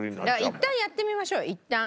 いったんやってみましょうよいったん。